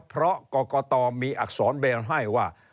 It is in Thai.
เพราะกรกตมีอักษรแบนให้ว่า